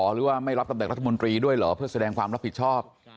หรือว่าไม่รับตำแหน่งรัฐมนตรีด้วยเหรอเพื่อแสดงความรับผิดชอบ